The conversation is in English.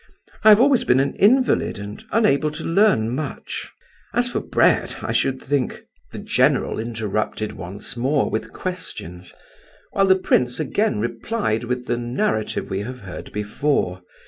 I have always been an invalid and unable to learn much. As for bread, I should think—" The general interrupted once more with questions; while the prince again replied with the narrative we have heard before.